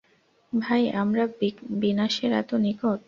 তাই আমরা বিনাশের এত নিকট।